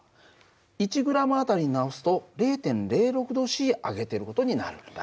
１ｇあたりに直すと０．０６℃上げてる事になるんだ。